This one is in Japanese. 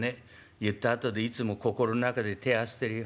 言ったあとでいつも心の中で手ぇ合わせてるよ。